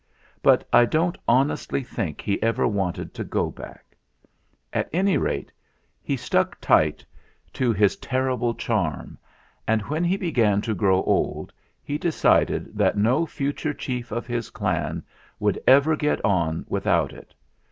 But I don't honestly think he ever wanted to go back. At any rate, he stuck tight to his ter THE REIGN OF PHUTT 53 rible charm, and when he began to grow old he decided that no future chief of his clan would ever get on without it.